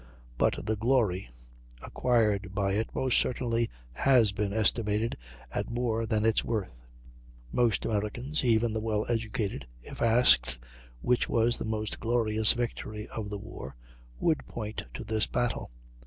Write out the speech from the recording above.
But the "glory" acquired by it most certainly has been estimated at more than its worth. Most Americans, even the well educated, if asked which was the most glorious victory of the war, would point to this battle.